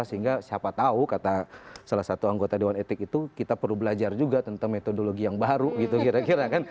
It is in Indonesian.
sehingga siapa tahu kata salah satu anggota dewan etik itu kita perlu belajar juga tentang metodologi yang baru gitu kira kira kan